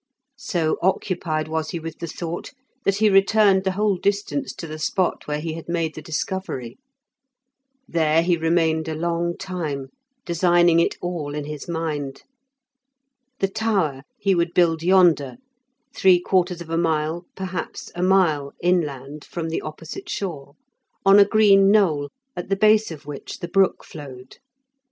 So occupied was he with the thought that he returned the whole distance to the spot where he had made the discovery. There he remained a long time, designing it all in his mind. The tower he would build yonder, three quarters of a mile, perhaps a mile, inland from the opposite shore, on a green knoll, at the base of which the brook flowed.